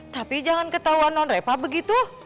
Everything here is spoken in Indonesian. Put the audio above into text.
tapi jangan ketauan non reva begitu